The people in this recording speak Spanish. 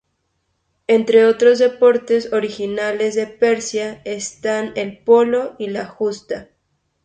Entre otros deportes originales de Persia están el polo y la justa.